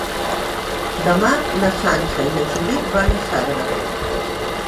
Demà na Sança i na Judit van a Sagra.